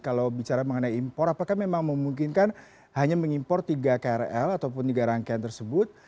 kalau bicara mengenai impor apakah memang memungkinkan hanya mengimpor tiga krl ataupun tiga rangkaian tersebut